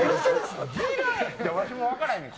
わしも分からへんねん。